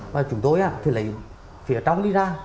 và chúng tôi thì lấy phía trong đi ra